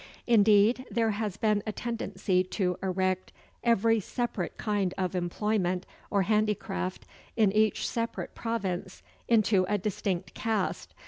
Indeed, there has been a tendency to erect every separate kind of employment or handicraft in each separate province into a distinct caste.